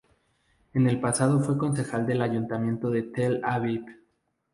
En el pasado fue concejal del ayuntamiento de Tel Aviv.